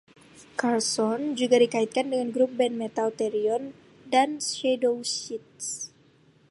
Karlsson juga dikaitkan dengan grup band metal Therion dan Shadowseeds.